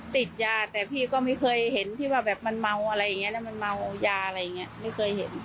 ติดยาแต่พี่ก็ไม่เคยเห็นที่ว่าแบบมันเมาอะไรอย่างเงี้แล้วมันเมายาอะไรอย่างนี้ไม่เคยเห็น